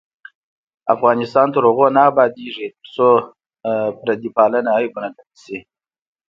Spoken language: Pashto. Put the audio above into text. افغانستان تر هغو نه ابادیږي، ترڅو پردی پالنه عیب ونه ګڼل شي.